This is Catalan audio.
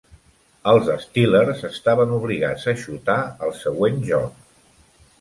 Els Steelers estaven obligats a xutar al següent joc.